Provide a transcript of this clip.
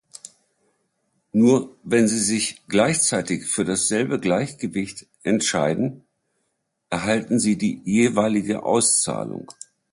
Nur wenn sie sich gleichzeitig für dasselbe Gleichgewicht entscheiden, erhalten sie die jeweilige Auszahlung.